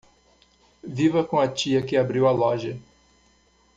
Viva com a tia que abriu a loja